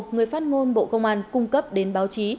người phát ngôn bộ công an cung cấp đến báo chí